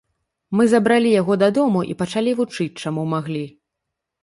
Мы забралі яго дадому і пачалі вучыць, чаму маглі.